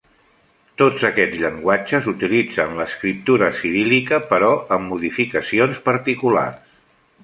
Tots aquests llenguatges utilitzen l'escriptura ciríl·lica, però amb modificacions particulars.